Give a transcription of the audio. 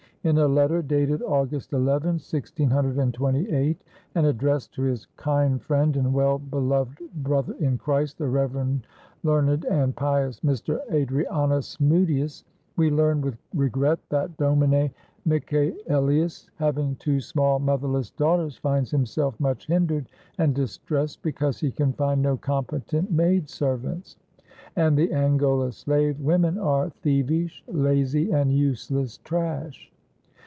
In a letter dated August 11, 1628, and addressed to his "Kind Friend and Well Beloved Brother in Christ the Reverend, learned and pious Mr. Adrianus Smoutius," we learn with regret that Domine Michaelius, having two small motherless daughters, finds himself much hindered and distressed because he can find no competent maid servants "and the Angola slave women are thievish, lazy, and useless trash."